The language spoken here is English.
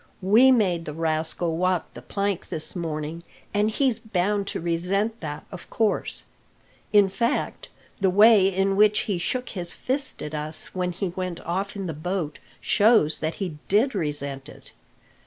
We made the rascal walk the plank this morning, and he's bound to resent that, of course. In fact, the way in which he shook his fist at us when he went off in the boat shows that he did resent it.